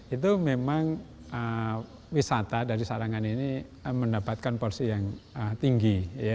itu memang wisata dari sarangan ini mendapatkan porsi yang tinggi